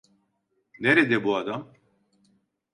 Nerede bu adam?